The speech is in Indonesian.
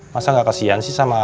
masa gak kesian sih sama a a